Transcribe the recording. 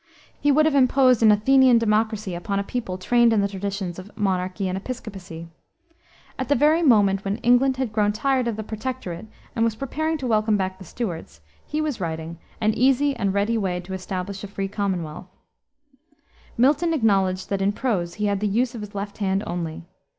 He would have imposed an Athenian democracy upon a people trained in the traditions of monarchy and episcopacy. At the very moment when England had grown tired of the Protectorate and was preparing to welcome back the Stuarts, he was writing An Easy and Ready Way to Establish a Free Commonwealth. Milton acknowledged that in prose he had the use of his left hand only.